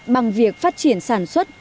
bằng việc phát triển sản xuất